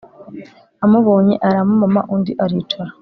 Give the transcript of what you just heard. amubonye aramumama, undi aricara.